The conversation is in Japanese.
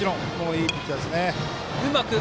いいピッチャーですね。